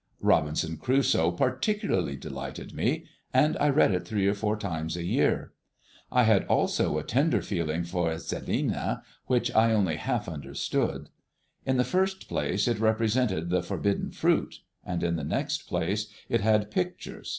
"Robinson Crusoe" particularly delighted me, and I read it three or four times a year. I had also a tender feeling for "Celina," which I only half understood. In the first place, it represented the forbidden fruit; and in the next place, it had pictures.